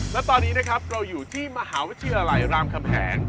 และตอนนี้นะครับเราอยู่ที่มหาวิทยาลัยรามคำแหง